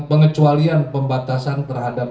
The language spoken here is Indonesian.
pengecualian pembatasan terhadap